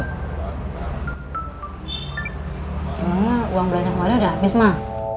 emang uang belanja uangnya udah habis mah